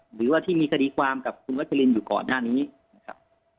หรือว่าที่มีคดีความกับคุณวัชลินอยู่ก่อนหน้านี้นะครับ